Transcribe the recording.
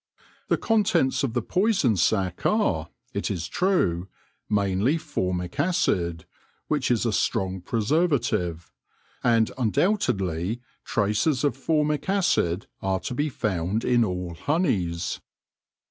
The contents of the poison sac are, it is true, mainly formic acid, which is a strong preservative ; and undoubtedly traces of formic acid are to be found in all honeys.